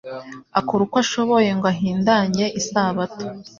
akora uko ashoboye ngo ahindanye isabato,